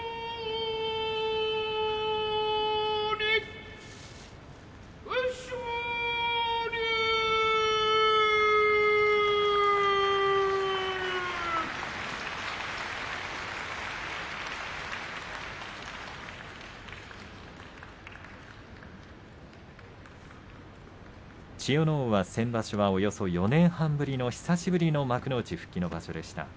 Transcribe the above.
拍手千代ノ皇は先場所はおよそ４年半ぶりの久しぶりの幕内復帰の場所でした。